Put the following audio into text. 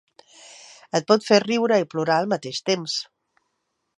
Et pot fer riure i plorar al mateix temps.